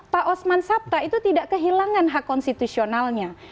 pak osman sabta itu tidak kehilangan hak konstitusionalnya